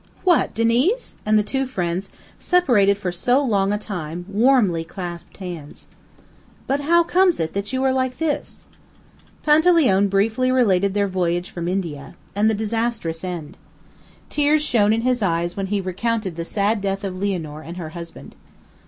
"What, Diniz!" and the two friends, separated for so long a time, warmly clasped hands. "But how comes it that you are like this?" Panteleone briefly related their voyage from India, and the disastrous end. Tears shone in his eyes when he recounted the sad death of Lianor and her husband.